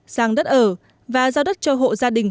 sang đất ở và giao đất cho hộ gia đình